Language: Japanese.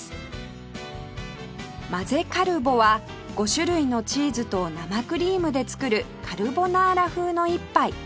混ぜカルボは５種類のチーズと生クリームで作るカルボナーラ風の一杯